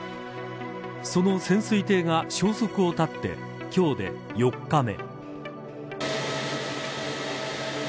その潜水艇が消息を絶って今日で４日目。